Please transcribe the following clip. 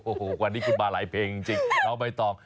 โอ้โฮวันนี้คุณมาหลายเพลงจริงเราไปต่อ